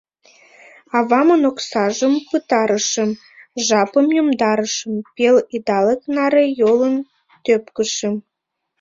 Авамын оксажым пытарышым, жапым йомдарышым — пел идалык наре йолын тӧпкышым.